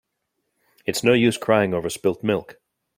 It is no use crying over spilt milk.